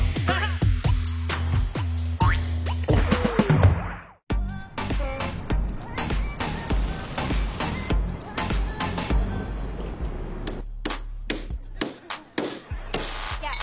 はい。